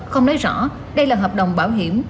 không nói rõ đây là hợp đồng bảo hiểm